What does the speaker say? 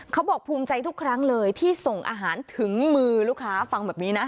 เขาบอกภูมิใจทุกครั้งเลยที่ส่งอาหารถึงมือลูกค้าฟังแบบนี้นะ